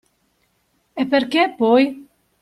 E perché, poi?